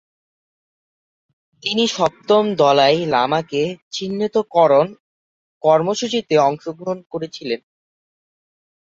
তিনি সপ্তম দলাই লামাকে চিহ্নিতকরণ কর্মসূচীতে অংশগ্রহণ করেছিলেন।